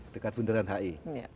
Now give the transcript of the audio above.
dekat bundaran hi